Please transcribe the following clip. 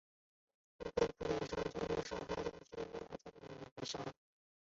如果不淋上佐料烧烤的东西在日本称为白烧。